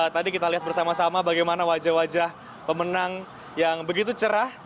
tadi kita lihat bersama sama bagaimana wajah wajah pemenang yang begitu cerah